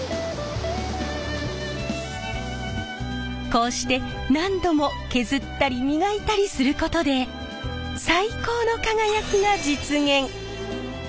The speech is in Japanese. こうして何度も削ったり磨いたりすることで最高の輝きが実現。